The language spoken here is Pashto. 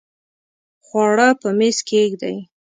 خواړه په میز کښېږدئ